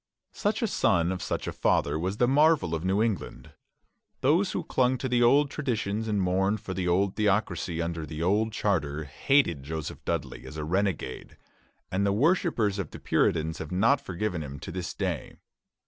Such a son of such a father was the marvel of New England. Those who clung to the old traditions and mourned for the old theocracy under the old charter, hated Joseph Dudley as a renegade; and the worshippers of the Puritans have not forgiven him to this day.